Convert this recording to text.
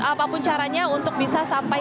apapun caranya untuk bisa sampai